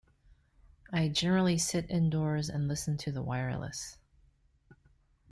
I generally sit indoors and listen to the wireless.